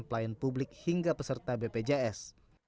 pelayan publik hingga peserta bpjs